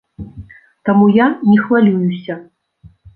Таму я не хвалююся.